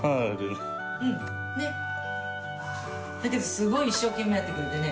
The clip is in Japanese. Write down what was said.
すごい一生懸命やってくれてね。